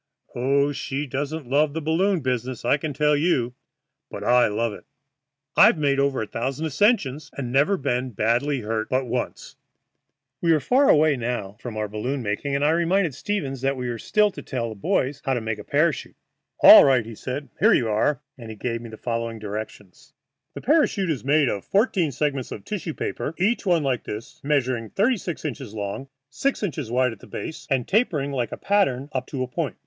Oh, she doesn't love the balloon business, I can tell you. But I love it. I've made over a thousand ascensions, and never been badly hurt but once." We were far away now from our balloon making, and I reminded Stevens that we had still to tell the boys how to make a parachute. "All right," said he; "here you are," and he gave me the following directions: "The parachute is made of fourteen segments of tissue paper, each one like this, measuring thirty six inches long, six inches wide at the base, and tapering like the pattern up to a point.